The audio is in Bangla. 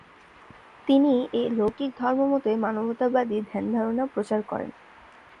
তিনিই এ লৌকিক ধর্মমতের মানবতাবাদী ধ্যানধারণা প্রচার করেন।